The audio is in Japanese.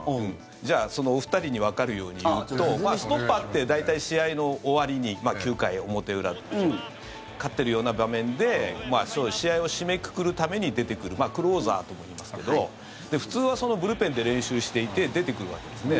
じゃあお二人にわかるように言うとストッパーって大体試合の終わりに９回表裏、勝ってるような場面で試合を締めくくるために出てくるクローザーとも言いますけど普通はブルペンで練習していて出てくるわけですね。